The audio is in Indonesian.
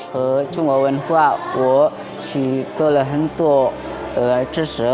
di sini ada banyak pengetahuan dari budaya tionghoa